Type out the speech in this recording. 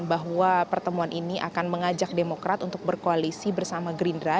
bahwa pertemuan ini akan mengajak demokrat untuk berkoalisi bersama gerindra